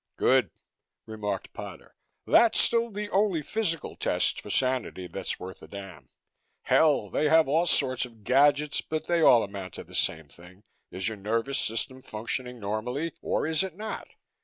"Good!" remarked Potter. "That's still the only physical test for sanity that's worth a damn. Hell! They have all sorts of gadgets but they all amount to the same thing: Is your nervous system functioning normally or is it not?